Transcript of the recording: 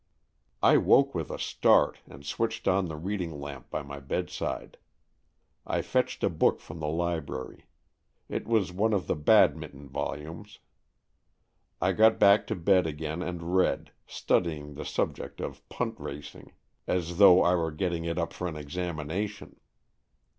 I woke with a start, and switched on the reading lamp by my bedside. I fetched a book from the library. It was one of the Badminton volumes. I got back to bed again and read, studying the subject of punt racing, as though I were getting it up for an examination.